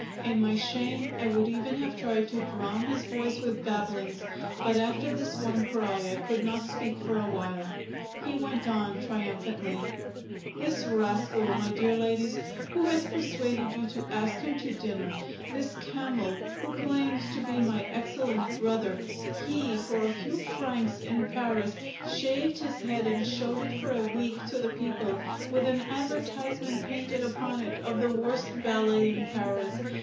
In my shame I would even have tried to drown his voice with babblings but after this one cry I could not speak for a while. He went on triumphantly: "This rascal, my dear ladies, who has persuaded you to ask him to dinner, this camel who claims to be my excellent brother, he, for a few francs, in Paris, shaved his head and showed it for a week to the people with an advertisement painted upon it of the worst ballet in Paris.